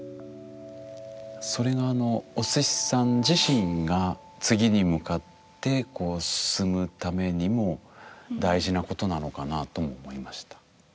それがあのおすしさん自身が次に向かってこう進むためにも大事なことなのかなとも思いました。